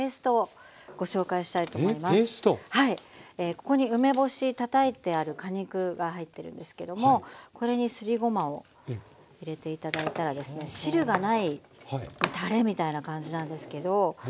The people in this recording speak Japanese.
ここに梅干したたいてある果肉が入ってるんですけどもこれにすりごまを入れて頂いたらですね汁がないたれみたいな感じなんですけど汁が。